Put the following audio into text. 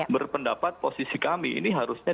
berpendapat posisi kami ini harusnya